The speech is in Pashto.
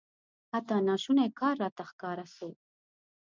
حتی ناشونی کار راته ښکاره سو.